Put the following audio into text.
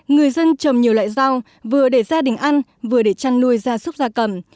người dân trầm nhiều loại rau vừa để gia đình ăn vừa để chăn nuôi ra súc ra cầm